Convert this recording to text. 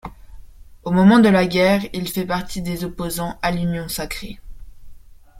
Au moment de la guerre, il fait partie des opposants à l'Union sacrée.